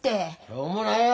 しょうもないわ！